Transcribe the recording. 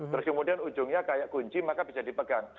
terus kemudian ujungnya kayak kunci maka bisa dipegang